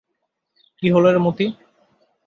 কী হল রে মতি?